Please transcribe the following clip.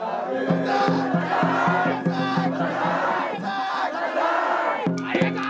ありがとう！